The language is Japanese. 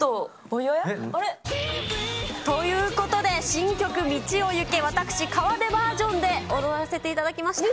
おや？ということで、新曲、ミチヲユケ、私、河出バージョンで踊らせていただきました。